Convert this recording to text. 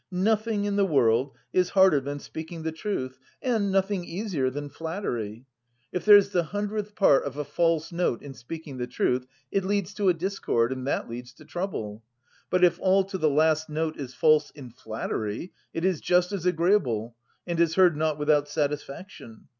Nothing in the world is harder than speaking the truth and nothing easier than flattery. If there's the hundredth part of a false note in speaking the truth, it leads to a discord, and that leads to trouble. But if all, to the last note, is false in flattery, it is just as agreeable, and is heard not without satisfaction.